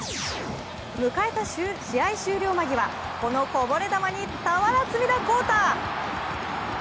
迎えた試合終了間際、このこぼれ球に俵積田晃太。